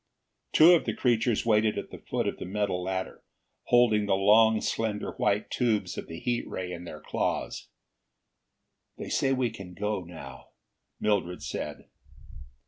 Two of the creatures waited at the foot of the metal ladder, holding the long slender white tubes of the heat ray in their claws. "They say we can go now," Mildred said.